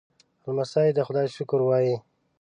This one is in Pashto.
لمسی د خدای شکر وايي.